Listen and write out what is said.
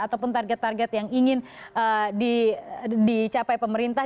ataupun target target yang ingin dicapai pemerintah